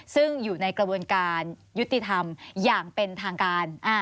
ซึ่งอยู่ในกระบวนการยุติธรรมอย่างเป็นทางการ